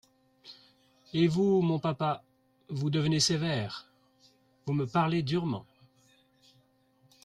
Et vous, mon papa, vous devenez sévère !… vous me parlez durement.